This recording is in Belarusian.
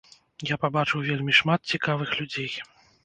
Я пабачыў вельмі шмат цікавых людзей.